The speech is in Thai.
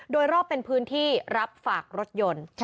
โดยรอบเป็นพื้นที่รับฝากรถยนต์